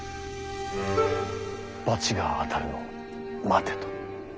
罰が当たるのを待てと。